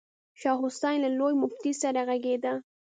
شاه حسين له لوی مفتي سره غږېده.